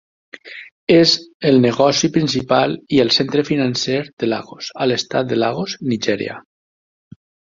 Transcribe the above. És el negoci principal i el centre financer de Lagos a l'estat de Lagos, Nigèria.